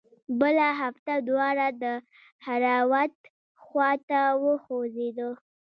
بله هفته دواړه د دهراوت خوا ته وخوځېدو.